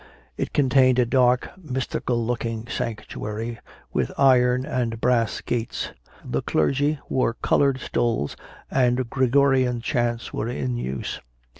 It contained a dark, mys tical looking sanctuary, with iron and brass gates; the clergy wore coloured stoles, and Gregorian chants were in use.